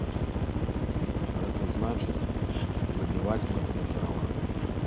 Гэта значыць, забіваць мэтанакіравана.